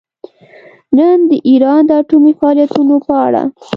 نن د ایران د اټومي فعالیتونو په اړه